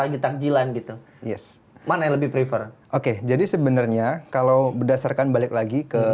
lagi takjilan gitu yes mana yang lebih prefer oke jadi sebenarnya kalau berdasarkan balik lagi ke